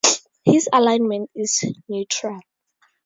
His alignment is Neutral.